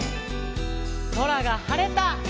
「そらがはれた」